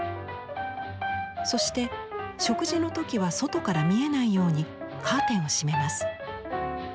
そして食事の時は外から見えないようにカーテンを閉めます。